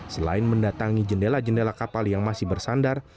selain mendatangi jendela jendela kapal yang masih bersandar